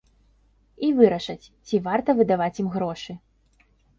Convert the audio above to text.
І вырашаць, ці варта выдаваць ім грошы.